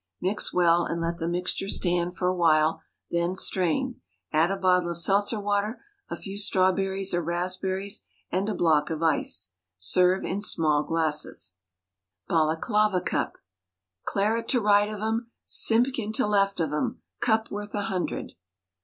Mix well, and let the mixture stand for a while, then strain, add a bottle of seltzer water, a few strawberries or raspberries, and a block of ice. Serve in small glasses. Balaclava Cup. "Claret to right of 'em, 'Simpkin' to left of 'em Cup worth a hundred!"